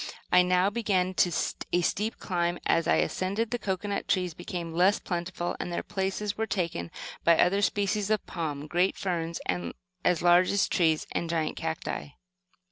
I now began a steep climb. As I ascended, the cocoanut trees became less plentiful, and their places were taken by other species of palm, great ferns as large as trees, and giant cacti.